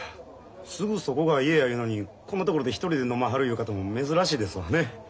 すぐそこが家やいうのにこんな所で一人で飲まはるいう方も珍しいですわね。